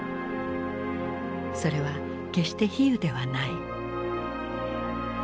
それは決して比喩ではない。